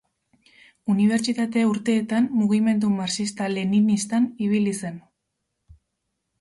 Unibertsitate urteetan mugimendu marxista-leninistan ibili zen.